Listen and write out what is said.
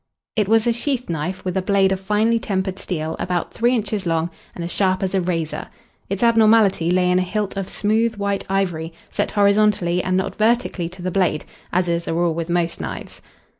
It was a sheath knife with a blade of finely tempered steel about three inches long and as sharp as a razor. Its abnormality lay in a hilt of smooth white ivory set horizontally and not vertically to the blade, as is a rule with most knives.